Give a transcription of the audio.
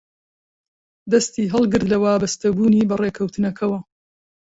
دەستی هەڵگرت لە وابەستەبوونی بە ڕێککەوتنەکەوە